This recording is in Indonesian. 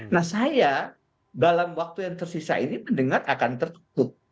nah saya dalam waktu yang tersisa ini mendengar akan tertutup